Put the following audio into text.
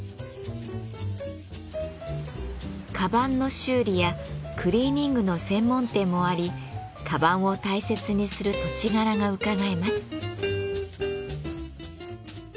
鞄の修理やクリーニングの専門店もあり鞄を大切にする土地柄がうかがえます。